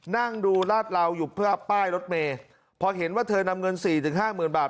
นั่งดูลาดเหลาอยู่เพื่อป้ายรถเมย์พอเห็นว่าเธอนำเงินสี่ถึงห้าหมื่นบาท